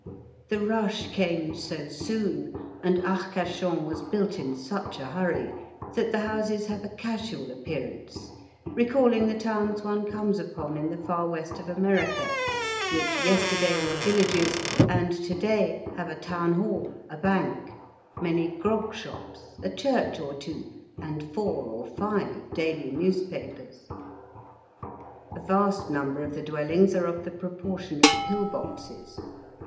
The rush came so soon, and Arcachon was built in such a hurry, that the houses have a casual appearance, recalling the towns one comes upon in the Far West of America, which yesterday were villages, and to day have a town hall, a bank, many grog shops, a church or two, and four or five daily newspapers. A vast number of the dwellings are of the proportion of pill boxes.